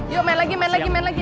yuk main lagi